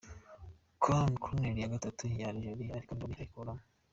Corner ya gatanu ya Algeria ariko Ndori ayikuyemo.